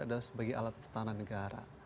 adalah sebagai alat pertahanan negara